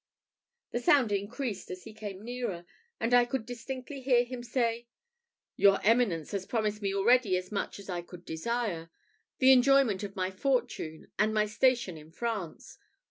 The sound increased as he came nearer, and I could distinctly hear him say, "Your Eminence has promised me already as much as I could desire the enjoyment of my fortune, and my station in France.